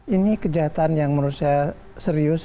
ini kejahatan yang menurut saya serius